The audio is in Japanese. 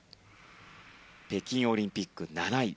北京オリンピック７位。